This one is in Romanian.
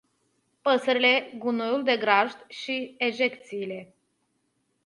Păsările, gunoiul de grajd și ejecțiile.